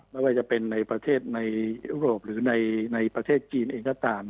ไม่ว่าจะเป็นในประเทศในยุโรปหรือในประเทศจีนเองก็ตาม